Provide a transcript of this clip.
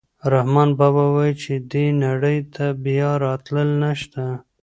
رحمان بابا وايي چې دې نړۍ ته بیا راتلل نشته.